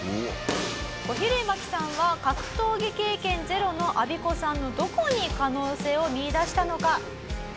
小比類巻さんは格闘技経験ゼロのアビコさんのどこに可能性を見いだしたのか？